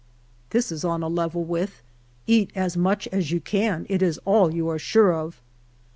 This is on a level with, " Eat as much as you can, it is all you are sure of